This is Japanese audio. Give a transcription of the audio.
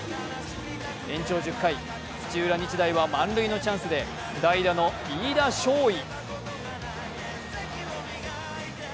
延長１０回、土浦日大は満塁のチャンスで代打の飯田将生。